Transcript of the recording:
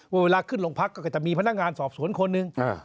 เวลาขึ้นลงพักก็จะมีพนักงานสอบสวนคนหนึ่ง